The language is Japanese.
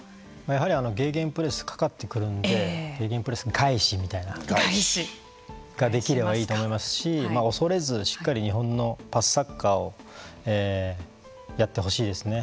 やはりゲーゲンプレスかかってくるんでゲーゲンプレス返しみたいなが、できればいいと思いますし恐れずしっかり日本のパスサッカーをやってほしいですね。